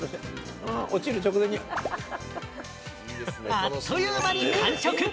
あっという間に完食。